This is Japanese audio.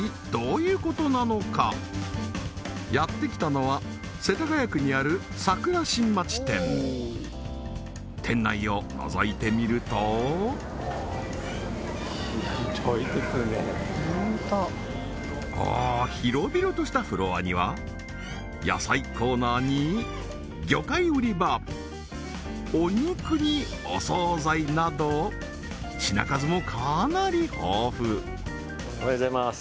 やってきたのは世田谷区にある桜新町店店内をのぞいてみるとああ広々としたフロアには野菜コーナーに魚介売り場お肉にお惣菜など品数もかなり豊富おはようございます